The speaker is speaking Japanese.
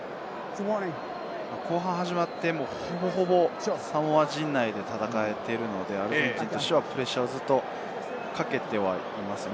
後半始まって、ほぼほぼサモア陣内で戦っているので、アルゼンチンとしてはプレッシャーをずっとかけていますね。